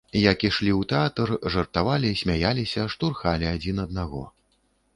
Як ішлі ў тэатр, жартавалі, смяяліся, штурхалі адзін аднаго.